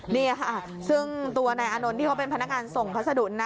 นี่ค่ะซึ่งตัวนายอานนท์ที่เขาเป็นพนักงานส่งพัสดุนะ